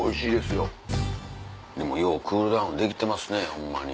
ようクールダウンできてますねホンマに。